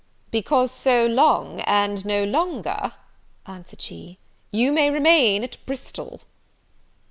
"Because so long, and no longer," answered she, "you may remain at Bristol."